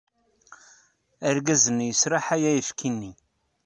Argaz-nni yesraḥay ayefki-nni.